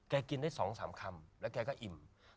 กินได้๒๓คำแล้วแกก็อิ่ม